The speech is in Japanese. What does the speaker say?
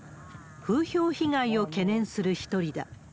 風評被害を懸念する一人だ。